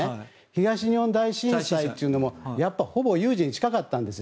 東日本大震災というのもやっぱりほぼ有事に近かったんです。